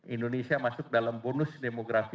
indonesia masuk dalam bonus demografi